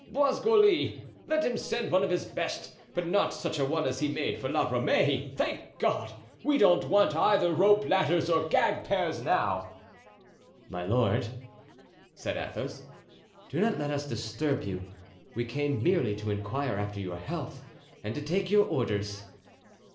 Boisgoli, let him send one of his best, but not such a one as he made for La Ramee. Thank God! we don't want either rope ladders or gag pears now." "My lord," said Athos, "do not let us disturb you. We came merely to inquire after your health and to take your orders."